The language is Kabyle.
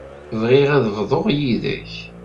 Bɣiɣ ad t-bḍuɣ yid-k.